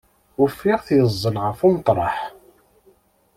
Ufiɣ-t yeẓẓel ɣef umeṭreḥ.